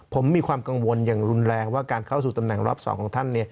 ผมมีความกังวลอย่างรุนแรงว่าการเข้าสู่ตำแหน่งรอบ๒ของท่าน